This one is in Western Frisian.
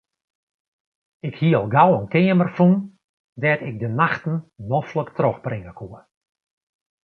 Ik hie al gau in keamer fûn dêr't ik de nachten noflik trochbringe koe.